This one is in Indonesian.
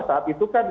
saat itu kan